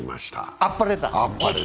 あっぱれだ！